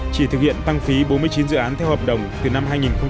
chỉ thực hiện tăng phí bốn mươi chín dự án theo hợp đồng từ năm hai nghìn một mươi